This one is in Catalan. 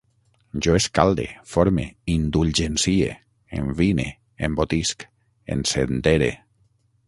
Jo escalde, forme, indulgencie, envine, embotisc, ensendere